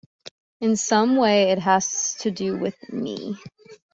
In some way it has to do with me.